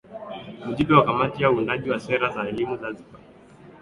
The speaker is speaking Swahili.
Mjumbe wa Kamati ya Uundaji wa Sera ya Elimu Zanzibar